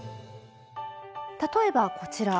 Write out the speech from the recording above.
例えばこちら。